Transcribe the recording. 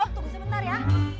tunggu sebentar ya